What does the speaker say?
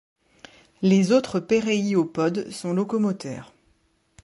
Les autres péréiopodes sont locomoteurs.